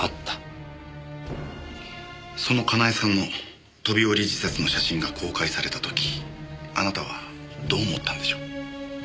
その佳苗さんの飛び降り自殺の写真が公開された時あなたはどう思ったんでしょう？